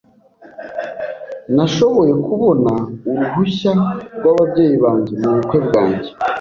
Nashoboye kubona uruhushya rwababyeyi banjye mubukwe bwanjye.